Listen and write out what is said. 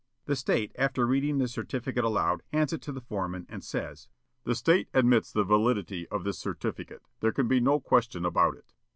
The State, after reading the certificate aloud, hands it to the foreman, and says: "The State admits the validity of this certificate. There can be no question about it."